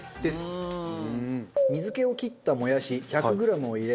水気を切ったもやし１００グラムを入れ